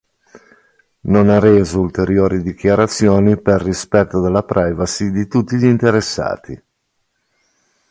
Non ha reso ulteriori dichiarazioni per rispetto della privacy di tutti gli interessati.